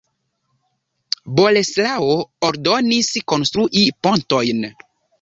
Boleslao ordonis konstrui pontojn.